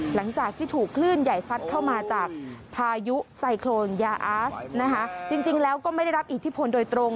หลังจากที่ถูกคลื่นใหญ่ซัดเข้ามาจากพายุไซโครนยาอาสนะคะจริงแล้วก็ไม่ได้รับอิทธิพลโดยตรง